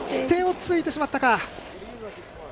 手をついてしまったか。